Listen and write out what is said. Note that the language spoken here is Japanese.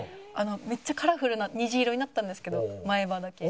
めっちゃカラフルな虹色になったんですけど前歯だけ。